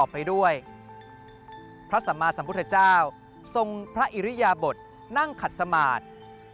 นำมาสัมพุทธเจ้าทรงพระอิริยบทนั่งขัดสมาธิ